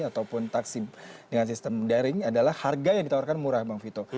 ataupun taksi dengan sistem daring adalah harga yang ditawarkan murah bang vito